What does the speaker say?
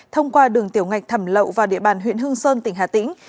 thông qua đường tiểu ngạch thẩm lậu vào địa bàn huyện hương sơn tỉnh hà tĩnh